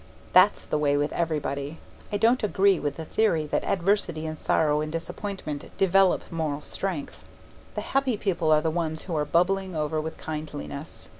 That's the way with everybody. I don't agree with the theory that adversity and sorrow and disappointment develop moral strength. The happy people are the ones who are bubbling over with kindliness.